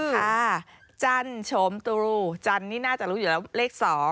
จันโฉมตรูจันนี่น่าจะรู้อยู่แล้วเลข๒